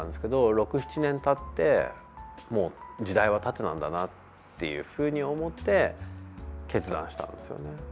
６、７年たって、もう時代は縦なんだなっていうふうに思って決断したんですよね。